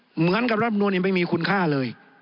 เหมือนกับรัฐมนุนยังไม่มีคุณค่าเลย